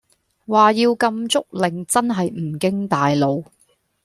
話要禁足令真係唔經大腦